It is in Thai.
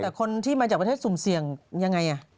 แต่คนที่มาจากประเทศสุ่มเสี่ยงยังไง